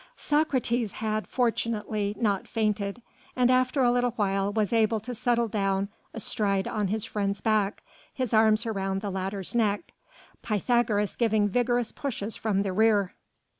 Socrates had, fortunately, not fainted, and after a little while was able to settle down astride on his friend's back, his arms around the latter's neck, Pythagoras giving vigorous pushes from the rear.